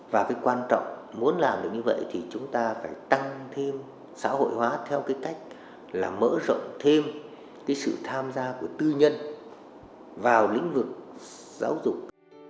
và cái quan trọng muốn làm được như vậy thì chúng ta phải tăng thêm xã hội hóa theo cái cách là mở rộng thêm cái sự tham gia của tư nhân vào lĩnh vực giáo dục